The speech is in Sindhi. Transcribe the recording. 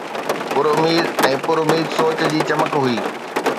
پراميد ۽ پراميد سوچ جي چمڪ هئي